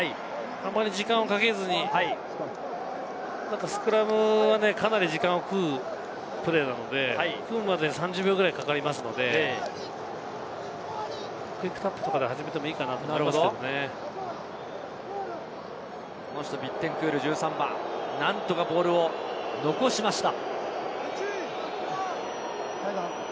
あんまり時間をかけずにスクラムはかなり時間を食うプレーなので、組むまでに３０秒くらいかかりますので、ピックアップとかで始めビッテンクール１３番、何とかボールを残しました。